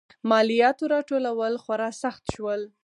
مالیاتو راټولول خورا سخت شول.